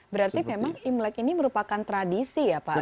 berarti memang imlek ini merupakan tradisi ya pak